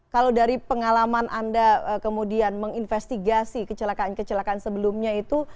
kalau dari pengalaman anda kemudian menginvestigasi kecelakaan kecelakaan sebelumnya itu